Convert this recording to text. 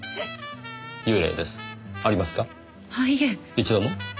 一度も？